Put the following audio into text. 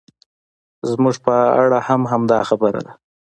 زموږ په اړه هم همدا خبره ده.